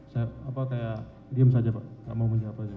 saya apa kayak diam saja pak gak mau menjawab